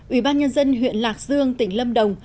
ủy ban nhân dân huyện lạc dương tỉnh lâm đồng